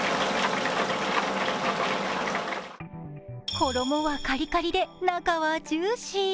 衣はカリカリで中はジューシー。